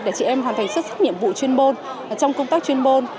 để chị em hoàn thành xuất sắc nhiệm vụ chuyên môn trong công tác chuyên môn